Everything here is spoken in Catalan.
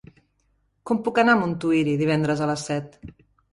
Com puc anar a Montuïri divendres a les set?